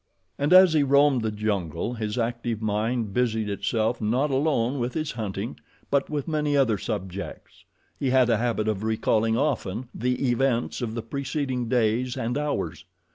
And as he roamed the jungle his active mind busied itself not alone with his hunting, but with many other subjects. He had a habit of recalling often the events of the preceding days and hours.